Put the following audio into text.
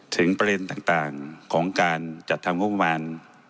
ถึงประเด็นต่างของการจัดทำงบประมาณ